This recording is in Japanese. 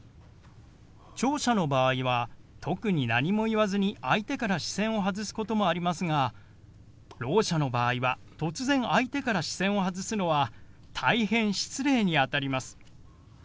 聴者の場合は特に何も言わずに相手から視線を外すこともありますがろう者の場合は突然相手から視線を外すのは大変失礼にあたります。